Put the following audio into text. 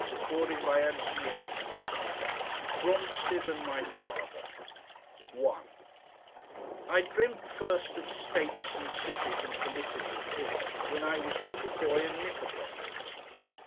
CHAPTER THE SECOND ~~ BROMSTEAD AND MY FATHER 1 I dreamt first of states and cities and political things when I was a little boy in knickerbockers.